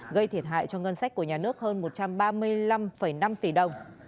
gây thiệt hại cho ngân sách của nhà nước hơn một trăm ba mươi năm năm tỷ đồng